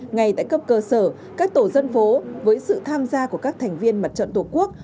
ngay tại cấp cơ sở các tổ dân phố với sự tham gia của các thành viên mặt trận tổ quốc